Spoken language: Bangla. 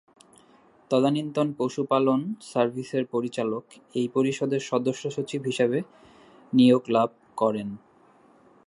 তদানীন্তন পশুপালন সার্ভিসের পরিচালক এই পরিষদের সদস্য সচিব হিসেবে নিয়োগ লাভ করেন।